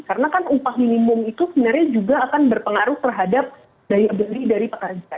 karena kan upah minimum itu sebenarnya juga akan berpengaruh terhadap daya beli dari pekerja